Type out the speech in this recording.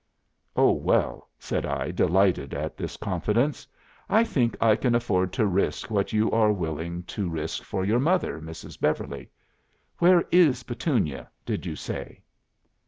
'" "'Oh well,' said I, delighted at this confidence, I think I can afford to risk what you are willing to risk for your mother, Mrs. Beverly. Where is Petunia, did you say?